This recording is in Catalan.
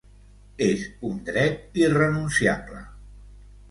És un dret irrenunciable.